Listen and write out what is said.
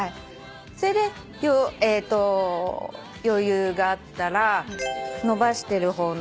それで余裕があったら伸ばしてる方の手を上に上げて。